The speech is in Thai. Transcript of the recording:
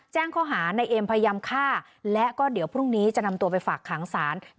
แจ้งข้อหาในเอ็มพยายามฆ่าและก็เดี๋ยวพรุ่งนี้จะนำตัวไปฝากขังศาล